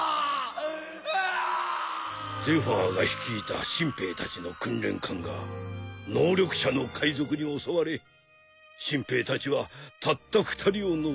ゼファーが率いた新兵たちの訓練艦が能力者の海賊に襲われ新兵たちはたった２人を除いて全滅。